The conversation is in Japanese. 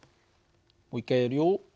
もう一回やるよ。